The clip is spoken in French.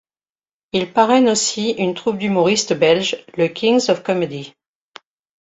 Il parraine aussi une troupe d'humoristes belge, le Kings of Comedy.